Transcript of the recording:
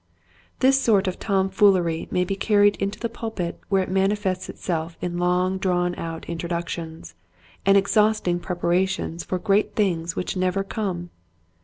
This sort of tomfoolery may be carried into the pulpit where it manifests itself in long drawn out introductions, and exhaust ing preparations for great things which never come.